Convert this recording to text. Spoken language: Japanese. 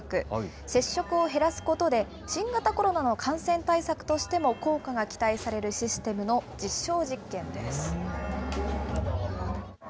接触を減らすことで、新型コロナの感染対策としても効果が期待されるシステムの実証実験です。